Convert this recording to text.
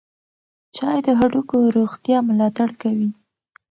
چای د هډوکو روغتیا ملاتړ کوي.